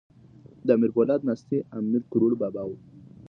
د امیر پولاد ځای ناستی امیر کروړ بابا وو.